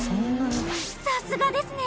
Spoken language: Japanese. さすがですね！